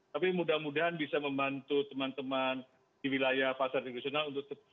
tapi mudah mudahan bisa membantu teman teman di wilayah pasar tradisional untuk tetap